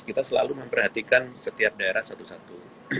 kita selalu memperhatikan setiap daerah satu satu